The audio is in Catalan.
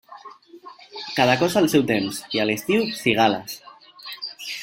Cada cosa al seu temps, i a l'estiu, cigales.